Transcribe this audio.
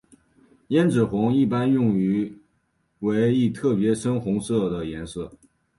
胭脂红是一般用语为一特别深红色颜色。